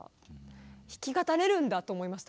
弾き語れるんだ！と思いました。